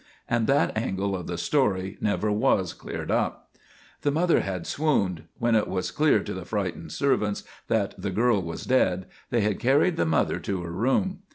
And that angle of the story never was cleared up. The mother had swooned. When it was clear to the frightened servants that the girl was dead, they had carried the mother to her room.